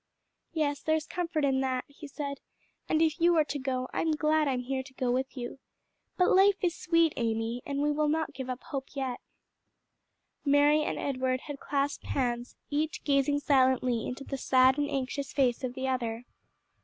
"Yes, there's comfort in that," he said; "and if you are to go, I'm glad I'm here to go with you. But life is sweet, Amy, and we will not give up hope yet." Mary and Edward had clasped hands, each gazing silently into the sad and anxious face of the other.